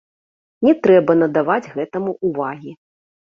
Не трэба надаваць гэтаму ўвагі.